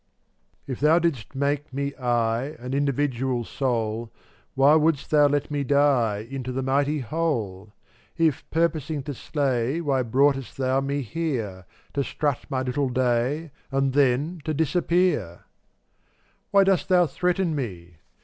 457 If Thou didst make me I, d^tttA? An Individual Soul, ^ Why wouldst Thou let me die \J>£' Into the mighty Whole? ft lift ft If purposing to slay, 3 Why broughtest Thou me here, To strut my little day And then to disappear? 458 Why dost Thou threaten me?